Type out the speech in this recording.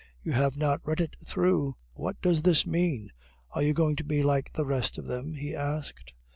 "You have not read it through! What does this mean? Are you going to be like the rest of them?" he asked.